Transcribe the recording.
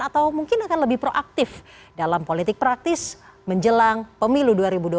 atau mungkin akan lebih proaktif dalam politik praktis menjelang pemilu dua ribu dua puluh